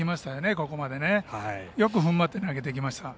ここまでよくふんばって投げてきました。